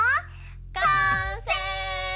完成！